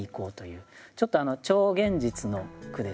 ちょっと超現実の句ですね。